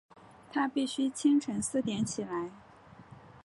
她必须清晨四点起来